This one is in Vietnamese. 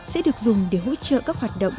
sẽ được dùng để hỗ trợ các hoạt động